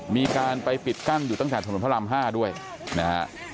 มีการไปปิดกั้นอยู่ตั้งแต่ถนนพระราม๕ด้วยนะฮะ